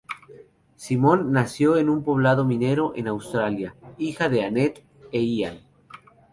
Simone nació en un poblado minero, en Australia; hija de Anette e Ian.